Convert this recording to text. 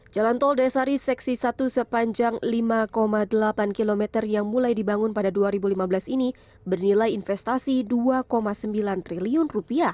jalan tol desari seksi satu sepanjang lima delapan km yang mulai dibangun pada dua ribu lima belas ini bernilai investasi rp dua sembilan triliun